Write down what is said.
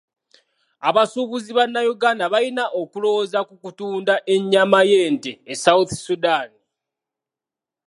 Abasuubuzi bannayuganda balina okulowooza ku kutunda ennyama y'ente e South Sudan.